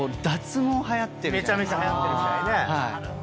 めちゃめちゃはやってるみたいね。